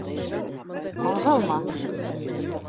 Ҡағылма!